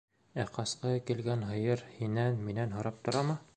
Ә ҡасҡыһы килгән һыйыр һинән-минән һорап торамы?